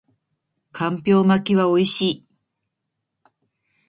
干瓢巻きは美味しい